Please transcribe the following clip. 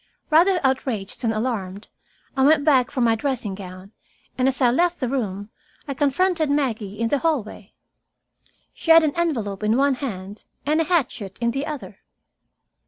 Rather outraged than alarmed, I went back for my dressing gown, and as I left the room, I confronted Maggie in the hallway. She had an envelope in one hand, and a hatchet in the other.